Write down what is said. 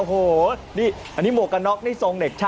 โหนี่อันนี้โหมกกะน็อกนี่ทรงเน็ตชาย